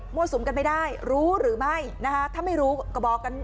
สุมกันไม่ได้รู้หรือไม่นะคะถ้าไม่รู้ก็บอกกัน